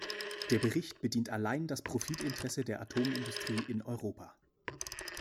Der Bericht bedient allein das Profitinteresse der Atomindustrie in Europa.